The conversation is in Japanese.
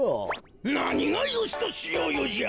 なにが「よしとしようよ」じゃ！